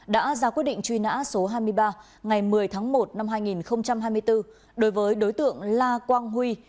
đã ra quyết định truy nã số hai mươi ba ngày một mươi tháng một năm hai nghìn hai mươi bốn đối với đối tượng la quang huy